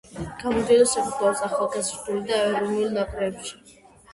გამოდიოდა საქართველოს ახალგაზრდულ და ეროვნულ ნაკრებებში.